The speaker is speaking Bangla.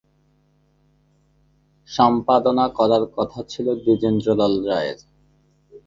সম্পাদনা করার কথা ছিল দ্বিজেন্দ্রলাল রায়ের।